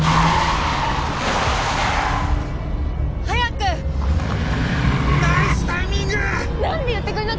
早く！